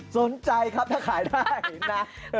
สนใจครับถ้าขายได้นะ